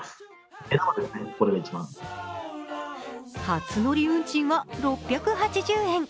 初乗り運賃は６８０円。